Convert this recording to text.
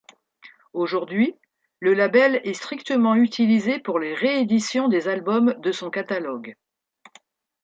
Aujourd'hui, le label est strictement utilisé pour les ré-éditions des albums de son catalogue.